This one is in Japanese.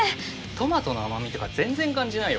トマトの甘みとか全然感じないよ。